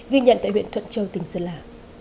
ghi nhận tại huyện thuận châu tỉnh sơn la